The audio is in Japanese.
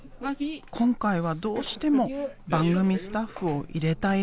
今回はどうしても番組スタッフを入れたいらしい。